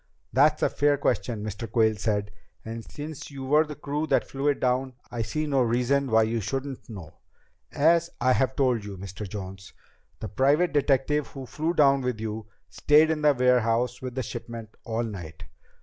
"That's a fair question," Mr. Quayle said. "And since you were the crew that flew it down, I see no reason why you shouldn't know. As I have told you, Mr. Jones, the private detective who flew down with you, stayed in the warehouse with the shipment all night.